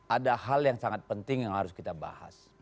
ada hal yang sangat penting yang harus kita bahas